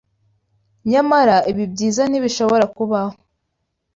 Nyamara ibi byiza ntibishobora kubaho